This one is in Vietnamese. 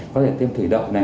có thể tiêm thủy đậu này